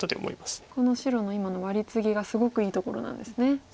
この白の今のワリツギがすごくいいところなんですね。